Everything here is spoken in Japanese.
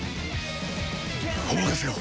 お任せを。